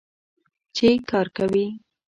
چې کار کوي.